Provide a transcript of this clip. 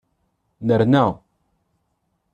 Nerna.